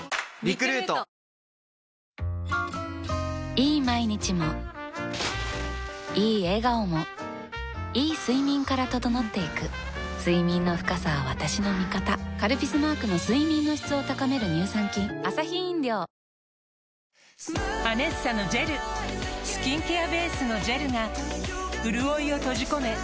いい毎日もいい笑顔もいい睡眠から整っていく睡眠の深さは私の味方「カルピス」マークの睡眠の質を高める乳酸菌「ＡＮＥＳＳＡ」のジェルスキンケアベースのジェルがうるおいを閉じ込め